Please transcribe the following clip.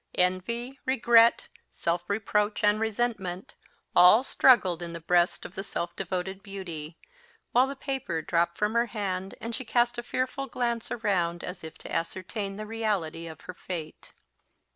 Envy, regret, self reproach, and resentment, all struggled in the breast of the self devoted beauty, while the paper dropped from her hand, and she cast a fearful glance around, as if to ascertain the reality of her fate.